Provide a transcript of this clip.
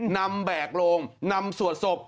แบกโลงนำสวดศพ